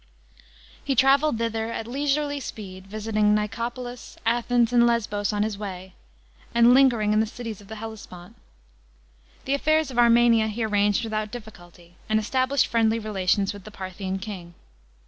He travelled thither at leisurely speed* visiting Nicopolis, Athens, and Lesbos on his way, and lingering in the cities of the Hellespont. The affairs of Armenia he arranged without difficulty, and established friendly relations with the Parthian king.